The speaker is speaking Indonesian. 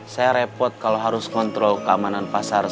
saya repot kalau harus kontrol keamanan pasar